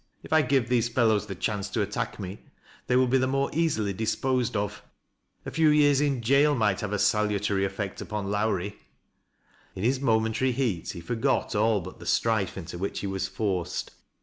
If I give these fellows the 192 TEAT LABS O LO WBISPB. chance to attack me, they will be the more easily diepoBed of, A few years in jail might have a salutary effect upon Lowrie." In his mcmentary heat, he forgot all bnt the strife into which he was forced.